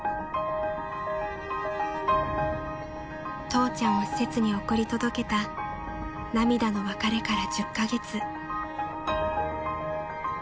［父ちゃんを施設に送り届けた涙の別れから１０カ月］